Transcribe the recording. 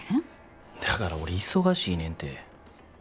だから俺忙しいねんて。